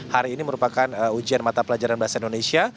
hari ini merupakan ujian mata pelajaran bahasa indonesia